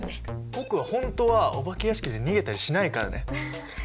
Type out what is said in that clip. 僕本当はお化け屋敷で逃げたりしないからね。